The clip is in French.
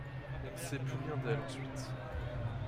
On ne sait plus rien d'elle ensuite.